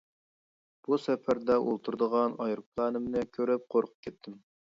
بۇ سەپەردە ئولتۇرىدىغان ئايروپىلانىمنى كۆرۈپ قورقۇپ كەتتىم.